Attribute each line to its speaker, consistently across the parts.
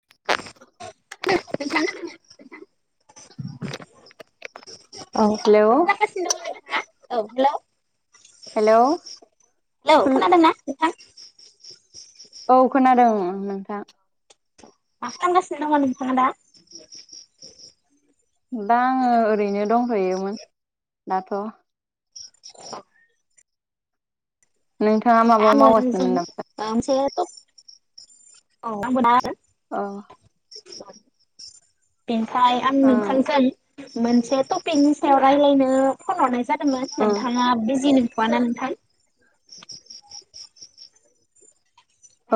Speaker 1: [unintelligible]
Speaker 2: [inaudible] Hello
Speaker 1: औ औ hello.
Speaker 2: Hello
Speaker 1: hello खोनादोंना नोंथां?
Speaker 2: औ खोनादों नोंथां।
Speaker 1: मा खालामगासिनो दं नोंथाङा दा?
Speaker 2: दंथ'होयोमोन दाथ'। नोंथाङा माबा
Speaker 1: आङो नोंजों
Speaker 2: मावासैमोन नामा
Speaker 1: ओ मोनसे थ' [inaudible] औ।
Speaker 2: अ। [inaudible]
Speaker 1: बेनिफ्राय आं नोंथांजों मोनसे टपिकनि सायाव रायलायनो फन हरनाय जादोंमोन नोंथाङा बिजि नंथ'आना नोंथां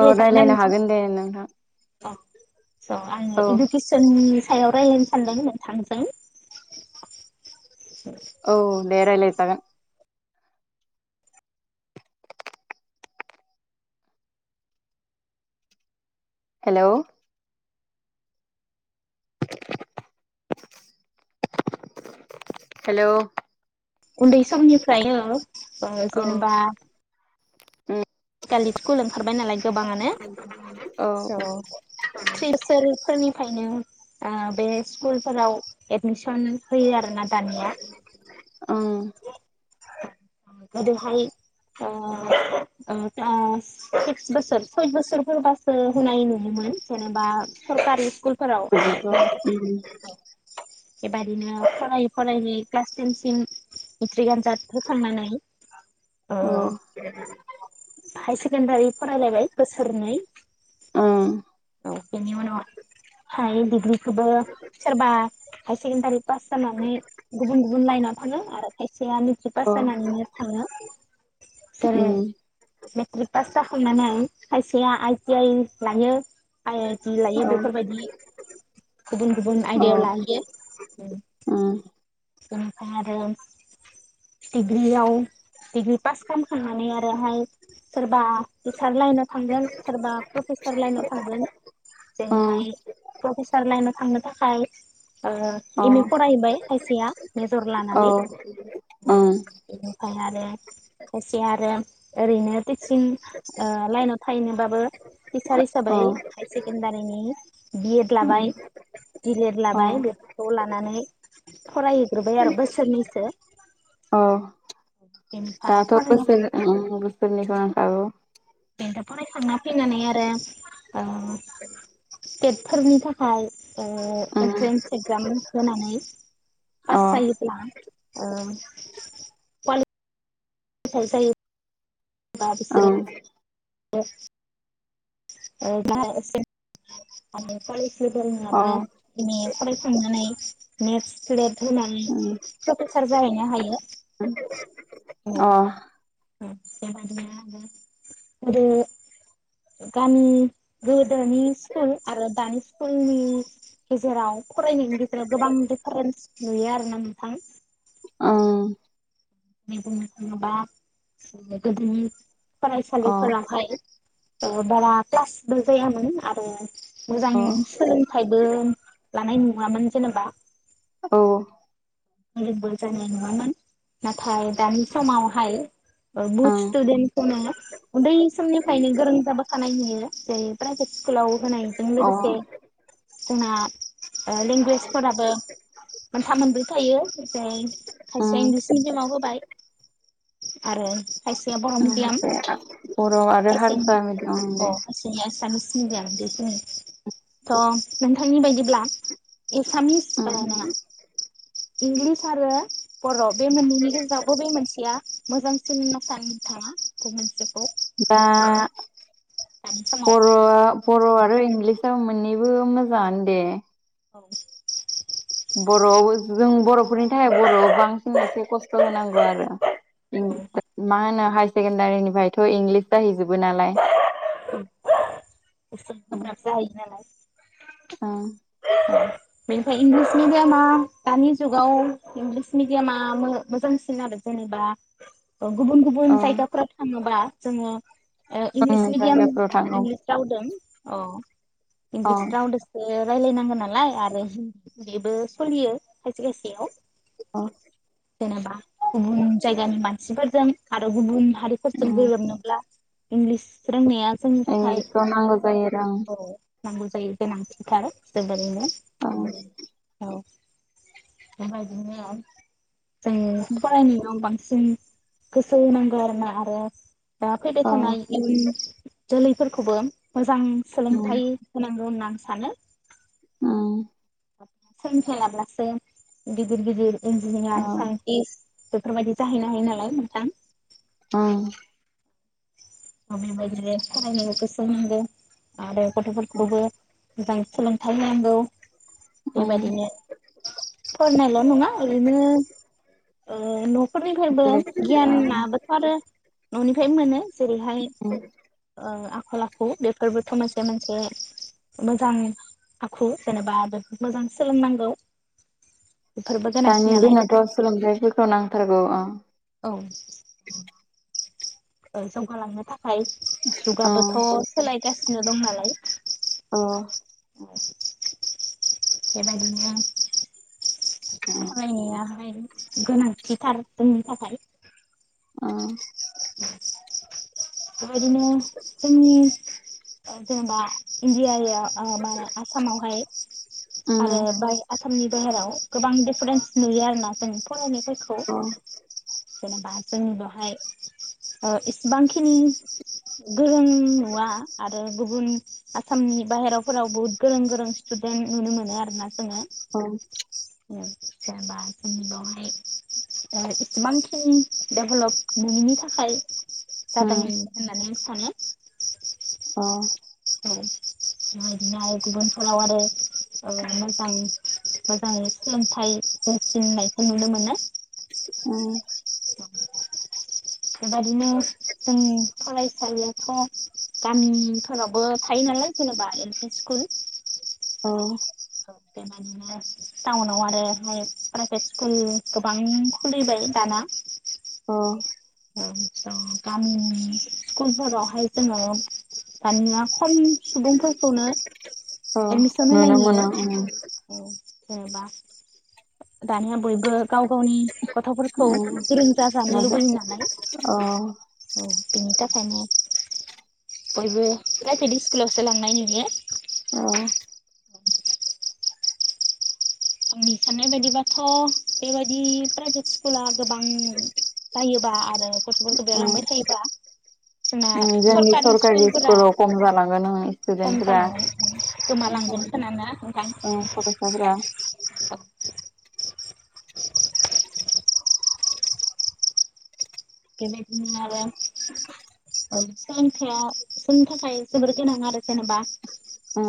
Speaker 2: अ
Speaker 1: ना
Speaker 2: रायलायनो
Speaker 1: नोंथां?
Speaker 2: हागोन दे नोंथां
Speaker 1: औ स आं
Speaker 2: औ
Speaker 1: एडुकेसननि सायाव रायलायनो सानदों नोंथांजों
Speaker 2: औ दे रायलाय जागोन हेलौ [inaudible] हेलौ
Speaker 1: उन्दै समनिफ्रायनो ओ
Speaker 2: औ
Speaker 1: जेनेबा
Speaker 2: [inaudible]
Speaker 1: ओंखारबाय नालाय गोबाङानो
Speaker 2: औ
Speaker 1: स [unintelligible] खायनो आ बे स्कुलफोराव एडमिसन होयो आरो ना
Speaker 2: अ
Speaker 1: ओरैहाय ओ-ओ सिक्स बोसोर सय बोसोर फोरबासो होनाय नुयो मोन जेनेबा सरकारनि स्कुलफोराव [inaudible] बेबादिनो फरायै फरायै क्लास टेनसिम मेट्रिक आनजाद होखांनानै ओ
Speaker 2: औ
Speaker 1: हाय सेकेण्डारि फरायलायबाय बोसोरनै
Speaker 2: ओ
Speaker 1: औ बेनि उनाव हाय डिग्रिखौबो सोरबा हाय सेकेणडारि पास जानानै गुबुन गुबुन लाइनाव थाङो आरो खायसेया मेट्रिक पास जानानैनो थाङो
Speaker 2: उम
Speaker 1: [unintelligible] मेट्रिक पास जाखांनानै खायसेया आइटि आइ लायो आइ आइ ति लायो
Speaker 2: औ
Speaker 1: बेफोरबायदि गुबुन गुबुन
Speaker 2: उम अ औ
Speaker 1: आइदायाव लाहैयो बेनिफ्राय आरो डिग्रियाव डिग्रि पास खालामखांनानै आरोहाय सोरबा सार लाइनाव थांगोन सोरबा प्रफेसार लाइनाव थांगोन जेरैहाय प्रफेसार लाइनाव थांनो थाखाय ओ एम ए फरायबाय खायसेया मेजर लानानै
Speaker 2: ओं
Speaker 1: बेनिफ्राय आरो खायसे आरो ओरैनो टिसिं ओ लाइनाव थाहैनोबाबो टिचार हिसाबै हाय सेकेणडारिनि बि ए ड लाबाय डि ले ड
Speaker 2: अ
Speaker 1: लाबाय बेफोरखौ लानानै फरायहैग्रोबाय आरो बोसोरनैसो
Speaker 2: औ
Speaker 1: बेनिफ्राय
Speaker 2: दाथ'
Speaker 1: फरायना
Speaker 2: बोसोर ओं बोसोरनैखौ नांखागौ
Speaker 1: दा फरायखांना फैनानै आरो ओ टेटफोरनि थाखाय
Speaker 2: ओं
Speaker 1: एन्ट्रेन्स एक्जाम होनानै
Speaker 2: अ
Speaker 1: फास जायोब्ला ओ [unintelligible] बा बिसोरो
Speaker 2: ओं
Speaker 1: ओ जा एसेे हानाय फालि जेबो
Speaker 2: अ
Speaker 1: रोङाबा जोङो फरायखांनानै नेथ स्लेद होनानै
Speaker 2: उम
Speaker 1: प्रफेसार जाहैनो हायो
Speaker 2: अ
Speaker 1: ब [unintelligible] गोदोनि सकुल आरो दानि स्कुलनि गेजेराव फरायनायनि गेजेराव गोबां दिफारेन्स नुयो आरोना नोंथां
Speaker 2: ओम
Speaker 1: जेरै बुंनो थाङोबा गोदोनि
Speaker 2: अ
Speaker 1: फरायसालिफोरावहाय ओ बारा क्लासबो जायामोन आरो मोजां सोलोंथाइबो लानाय नुवामोन जेनेबा
Speaker 2: औ
Speaker 1: गोरोंबो जानाय नुवामोन नाथाय दानि समावहाय ओ बुथ
Speaker 2: ओं
Speaker 1: स्टुदेन्टखौ उन्दै समनिफ्रायनो गोरों जाबोखानाय नुयो जों प्राइभ स्कुलाव होनायजों
Speaker 2: अ
Speaker 1: लोगोसे जोंना लेंगुवेजफोराबो मोनथाम मोनब्रै थायो। ओफ्राय खायसे
Speaker 2: उम
Speaker 1: इंगलिस मिडियामाव होबाय आरो खायसेया बर' मिडियाम
Speaker 2: बर' आरो
Speaker 1: खायसे
Speaker 2: हारसा मिडियाम ओं दे
Speaker 1: खायसेया एसामिस थ' नोंथांनि बायदिब्ला एसामिस ओ
Speaker 2: उम
Speaker 1: नोङा इंलिस आरो बरफ बे मोननैनि गेजेरावबो बे मोनसेया मोजांसिन होनना सानो नोंथाङा गुब मोनसे
Speaker 2: दा
Speaker 1: दानि समाव
Speaker 2: बर'आ बर' आरो इंलिसा मोननैबो मोजाङानो दे।
Speaker 1: औ
Speaker 2: बर'आव जों बर' नि थाखाय बर'आव बांसिन एसे खस्थ होनांगौ आरो ओम मा होनो हायार सेकेणडारिनिफ्रायथ इंलिस जाहैजोबो नालाय
Speaker 1: [unintelligible]
Speaker 2: ओं
Speaker 1: औ बेनिफ्राय इंलिस मिडियामा दानि जुगाव इंलिस मिडियामा मो मोजांसिन आरो ज जेनेबा गुबुन गुबुन
Speaker 2: ओं
Speaker 1: जायगाफोराव थाङोबा जोङो ओ इंलिस
Speaker 2: उम
Speaker 1: मिदियाम
Speaker 2: जायगाफोराव थांगौ
Speaker 1: इंलिस रावदों अ
Speaker 2: औ
Speaker 1: इंलिस रावदोसो ओ रायलायनांगोन नालाय आरो बेबो सलियो खायसे खायसेयाव
Speaker 2: अ
Speaker 1: जेनेबा गुबुन जायगानि मानसिफोरजों आरो गुबुन हारिफोरजों
Speaker 2: उम
Speaker 1: गोरोबनोब्ला इंलिस रोंनाया जोंनि थाखाय
Speaker 2: इंलिसखौ नांगौ जायो आरो।
Speaker 1: औ नांगौ जायो गोनांथिथार जोबोरैनो
Speaker 2: औ
Speaker 1: उम बेबायदिनो जों फरायनायाव बांसिन जों गोसो होनांगौ आरोना आरो दा फैबाय
Speaker 2: औ
Speaker 1: थानाय इयुन जोलैफोरखौबो मोजां
Speaker 2: उम
Speaker 1: सोलोंथायाइ होनांगौ होनना आं सानो।
Speaker 2: ओं
Speaker 1: सोंलोंथाइ लाब्लासो गिदिर गिदिर
Speaker 2: औ
Speaker 1: इन्जिनियार साइन्टिस्ट बेफोरबायदि जाहैनो हायो नालाय नोंथां
Speaker 2: अह
Speaker 1: दा बेबायदिनो फरायनायाव गोसो होनांगोन आरो गथ'फोरखौबो मोजां सोलोंथाइ होनांगौ।
Speaker 2: उम
Speaker 1: बेबायदिनो फरायनायल नङा ओरैनो ओ न'फोरनिफायबो
Speaker 2: बेलेग ओं
Speaker 1: गियानाबोथ आरो न'निफायनो मोनो। जेरैहाय
Speaker 2: उम
Speaker 1: आखल आखु बेफोरबोथ' मोनसे मोनसे मोजां आखु जेनेबा मोजां सोलोंनांगौ। बेफोरबो गोनांथि
Speaker 2: दानि
Speaker 1: नालाय
Speaker 2: दिनावथ सोलोंथाइफोरखौ नांथारगौ।
Speaker 1: औ। जौगालांनो थाखाय
Speaker 2: औ
Speaker 1: जुगाबोथ सोलायगासिनो दं नालाय।
Speaker 2: अह
Speaker 1: बेबायदिनो
Speaker 2: उम
Speaker 1: फरायनाया गोनांथिथार जोंनि थाखाय।
Speaker 2: अ
Speaker 1: [inaudible] बेबायदिनो जोंनि जेनेबा इन्डियाया आ [unintelligible] आसामावहाय आरो बाय आसामनि बाहेराव गोबां दिफारेन्स नुयो आरो ना जों फरायनाय‌फोर खौ
Speaker 2: औ
Speaker 1: जेनेबा जों बेवहाय ओ एसेबांखिनि गोरों नुवा आरो गुबुन आसामनि बाहेरावफोराव बहुत गोरों गोरों स्टु देन्ट नुनो मोनो आरो ना जोङो।
Speaker 2: औ।
Speaker 1: उम जेनेबा जोंनि बावहाय ओ इसेबांखिनि डेभलब मोनैनि था खाय जादों
Speaker 2: उम
Speaker 1: होननानै आं सानो।
Speaker 2: अ।
Speaker 1: [unintelligible] बिदिनो आरो गुबुन ओनसोलाव आरो ओ मोजां मोजाङै सोलोंथाइ होसिननायखौ नुनो मोनो।
Speaker 2: औ।
Speaker 1: बेबायदिनो जोंनि फरायसालियाथ' गामिफोरावबो थायो जेनेबा एल पि स्कुल।
Speaker 2: औ।
Speaker 1: बेबायदिनो टाउनाव आरोहाय प्राइभेट स्कुल गोबां खुलिबाय दाना। [inaudible]
Speaker 2: अ।
Speaker 1: [unintelligible] गामि स्कुलफोरावहाय जोङो दानिया खम सुबुंफोरखौनो
Speaker 2: औ
Speaker 1: एडमिसन होनाय
Speaker 2: नुनो
Speaker 1: नुयो
Speaker 2: मोनो उम
Speaker 1: औ। जेनेबा दानिया बयबो गाव गावनि गथ'फोरखौ
Speaker 2: उम
Speaker 1: गोरों जाजानो
Speaker 2: माबा
Speaker 1: लुबैयो ना लाय
Speaker 2: औ
Speaker 1: औ बिनि थाखायनो बयबो प्राइभेट इस्कुलावसो लांनाय नुयो।
Speaker 2: औ।
Speaker 1: आंनि साननाय बायदिबाथ' बेबायदि प्राइभेट स्कुला गोबां जायो बा आरो गथ'फोरखौ बेयाव लांबाय थायोबा जोंना
Speaker 2: उम जोंनि
Speaker 1: सरकारि स्कुलफोरा
Speaker 2: स्कुलाव खम जालांगोन ओं
Speaker 1: खम
Speaker 2: स्टुदेन्टफोरा
Speaker 1: जालांगोन माने गोमा
Speaker 2: खम
Speaker 1: लांगोन खोना ना नोंथां। [inaudible]
Speaker 2: ओ फरायसाफोरा
Speaker 1: बेबादिनो आरो औ सोलोंथाया जोंनि थाखाय जोबोर गोनां आरो जेनेबा
Speaker 2: अ।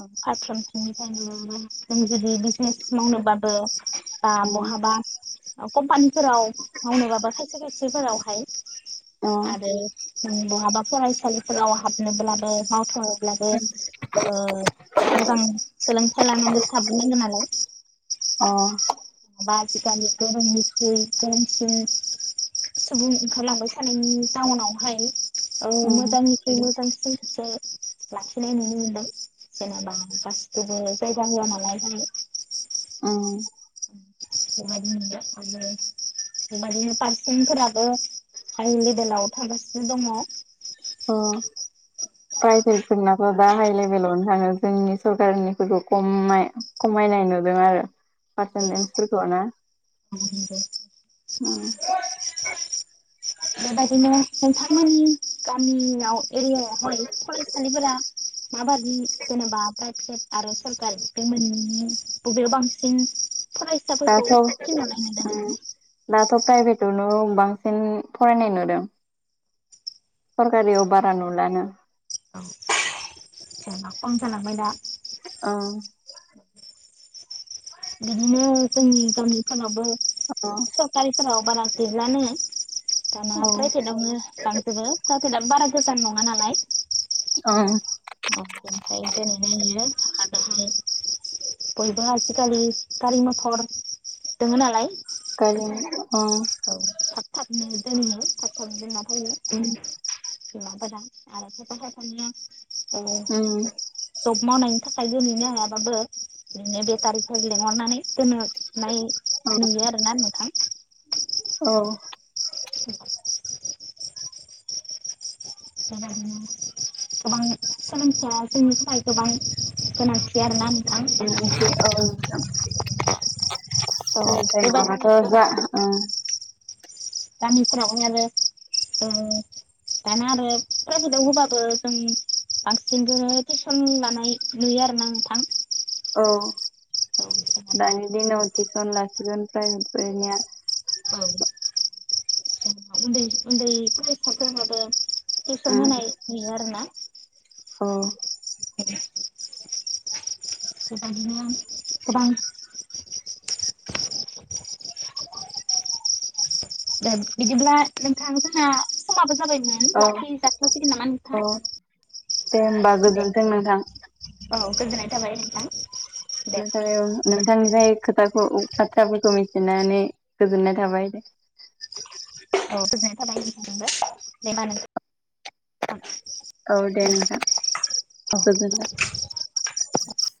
Speaker 1: ओ फारफ्रोमथिंनिफ्रायबो जों जुदि बिजनेस मावनोबाबो बा
Speaker 2: उम
Speaker 1: बहाबा ओ कम्पानिफोराव मावनोबाबो खायसे खायसेफोरावहाय
Speaker 2: अ
Speaker 1: आरो बहाबा फरायसालिफोराव हाबनोब्लाबो मावथ' ब्लाबो ओ मोजां सोलोंथाइ लानानैसो हाबग्रोनांगो नालाय।
Speaker 2: अ।
Speaker 1: [unintelligible] सुबुं ओंखारलांबाय थानायनि जाउनावहाय औ
Speaker 2: उम
Speaker 1: मोजांनिख्रुइ मोजांसिनखोसो लाखिनाय नुनो मोनदों जेनेबा गासिखौबो जायगा होआ नालाय जाय [inaudible]
Speaker 2: उम
Speaker 1: बेबायदिनो आरो बेबायदिनो पारसेनफोराबो हाइ लेभेलाव थागासिनो दङ'। [inaudible]
Speaker 2: प्राइभेटफोरनाथ' दा हाइ लेभेलावनो थाङो जोंनि सरकारनिफोरखौ खम खमायनायनो आरो पारसेनटेनसफोरखौ ना उम
Speaker 1: अ। बेबायदिनो नोंथांमोननि गामियाव एरियायावहाय फरायसालिफोरा माबायि जेनेबा प्राइभेट आरो सरकारि बे मोननि बबेयाव बांसिन फरायसाफोरखौ
Speaker 2: दाथ' ओम
Speaker 1: थिनहरनाय नुदों नोंथां
Speaker 2: दाथ 'फ्रायभेट आवनो बांसिन फरायनाय नुदों सरकारियाव बारा नुलानो।
Speaker 1: औ जेनेबा खम जालांबाय दा।
Speaker 2: ओं
Speaker 1: बिदिनो जोंनि गामिफोरावबो
Speaker 2: अ अ
Speaker 1: सरकारिफोराव बारा गैलानो दाना प्राइभेटआवनो लांजोबो प्राइभेटआव बारा गोजान नङा नालाय।
Speaker 2: अ।
Speaker 1: औ ओमफ्राय दोनैहाय इयो बयबो आजिखालि गारि मथर दङ नालाय।
Speaker 2: खाय।
Speaker 1: औ थाब थाबनो दोनो थाब थाब दोनना फैयो।
Speaker 2: उम
Speaker 1: [unintelligible] जब
Speaker 2: उम
Speaker 1: मावनायनि थाखाय दोनैनो हायाबाबो बिओरैनो बेटारिफोरारि लिंहरनानै जोनो नाय
Speaker 2: औ
Speaker 1: नुयो आरोना नोंथां
Speaker 2: औ
Speaker 1: औ [inaudible] गोबां सोलोंथाया जोंनि थाखाय गोबां गोनांथि आरोना। नोंथां
Speaker 2: [inaudible]
Speaker 1: थ' बेबायदिनो
Speaker 2: [unintelligible]
Speaker 1: गामिफोराव आरो ओ दाना आरो प्राइभेटाव होबाबो जों बांसिनखौ टिउसन लानाय नुयो आरो ना नोंथां।
Speaker 2: औ
Speaker 1: औ जेनेबा
Speaker 2: दानि दिनाव टिउसन लासिगोन प्राइभेट फरायनाया
Speaker 1: औ उन्दै- उन्दै फरायसाफोराबो बेसन
Speaker 2: औ
Speaker 1: होनाय नुयो आरो ना गोबां- गोबां दे बिदिब्ला नोंथां जोंना समाबो जाबायमोन
Speaker 2: औ
Speaker 1: लाखि जाथ्लासिगोन नामा नोंथां
Speaker 2: औ दे होमबा
Speaker 1: दे
Speaker 2: गोजोनथों नोंथां।
Speaker 1: औ गोजोननाय थाबाय नोंथां
Speaker 2: [unintelligible]
Speaker 1: दे
Speaker 2: खोथाखौ बाथ्राफोरखौ मिथिनानै गोजोननाय थाबाय दे।
Speaker 1: औ गोजोननाय थाबायथादोंबो दे मा होन
Speaker 2: औ दे नोंथां गो